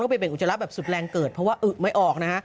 แล้วก็ไปเบงอุจจาระแบบสุดแรงเกิดเพราะว่าอึ๊บไม่ออก